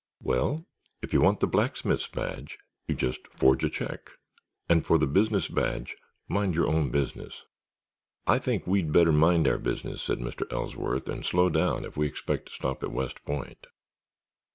"Well, if you want the Blacksmith's Badge, you just forge a check, and for the Business Badge, mind your own business." "I think we'd better mind our business," said Mr. Ellsworth, "and slow down if we expect to stop at West Point."